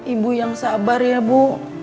ibu yang sabar ya bu